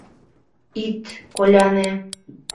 — Ит коляне!